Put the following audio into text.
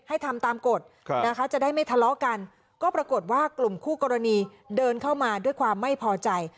ทำตามกฎนะคะจะได้ไม่ทะเลาะกันก็ปรากฏว่ากลุ่มคู่กรณีเดินเข้ามาด้วยความไม่พอใจ